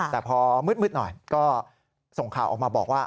แต่พอมืดหน่อยก็ส่งข่าวออกมาบอกว่า